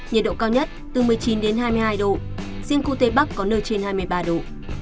nhiệt độ cao nhất từ một mươi chín đến hai mươi hai độ riêng khu tây bắc có nơi trên hai mươi ba độ